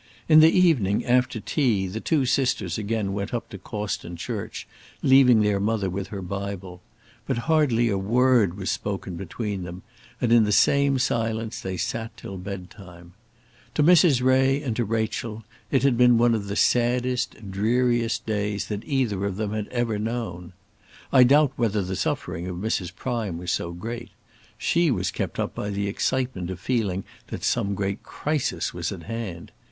In the evening, after tea, the two sisters again went up to Cawston church, leaving their mother with her Bible; but hardly a word was spoken between them, and in the same silence they sat till bed time. To Mrs. Ray and to Rachel it had been one of the saddest, dreariest days that either of them had ever known. I doubt whether the suffering of Mrs. Prime was so great. She was kept up by the excitement of feeling that some great crisis was at hand.